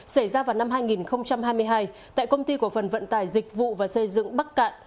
xảy ra vào năm hai nghìn hai mươi hai tại công ty của phần vận tải dịch vụ và xây dựng bắc cạn